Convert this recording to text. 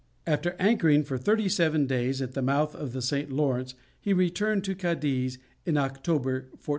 After anchoring for thirty seven days at the mouth of the St. Lawrence, he returned to Cadiz in October, 1498.